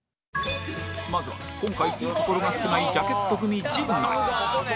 まずは今回いいところが少ないジャケット組陣内